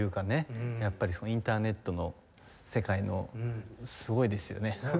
やっぱりインターネットの世界のすごいですよね。